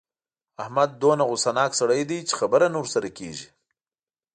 احمد دومره غوسناک سړی دی چې خبره نه ورسره کېږي.